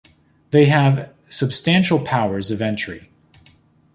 They have substantial powers of entry.